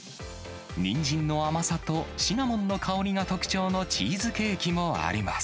ニンジンの甘さとシナモンの香りが特徴のチーズケーキもあります。